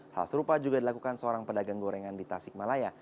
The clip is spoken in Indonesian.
hal serupa juga dilakukan seorang pedagang gorengan di tasikmalaya